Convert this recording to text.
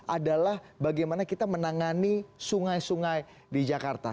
adalah bagaimana kita menangani sungai sungai di jakarta